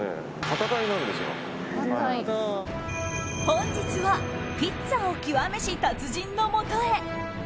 本日はピッツァを極めし達人のもとへ。